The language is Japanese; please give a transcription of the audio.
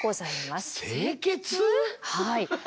はい。